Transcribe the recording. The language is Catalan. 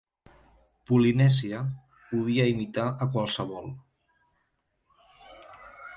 Polynesia podia imitar a qualsevol.